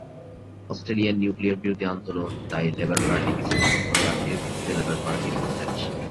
অস্ট্রেলিয়ার নিউক্লিয়ার বিরোধী আন্দোলন তাই লেবার পার্টিকে সমর্থন করে আর এর ভিত্তিতে লেবার পার্টি ক্ষমতায় আসে।